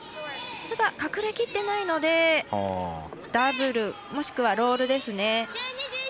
ただ、隠れきってないのでダブル、もしくはロールですね。